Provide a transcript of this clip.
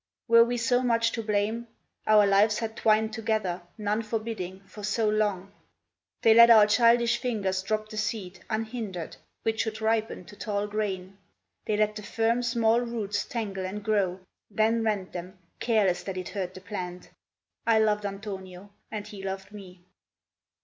Were we so much to blame? Our lives had twined Together, none forbidding, for so long. They let our childish fingers drop the seed, Unhindered, which should ripen to tall grain; They let the firm, small roots tangle and grow, Then rent them, careless that it hurt the plant. I loved Antonio, and he loved me.